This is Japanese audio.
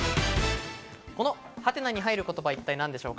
この「？」に入る言葉は一体何でしょうか？